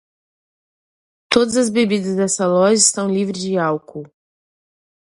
Todas as bebidas desta loja estão livres de álcool.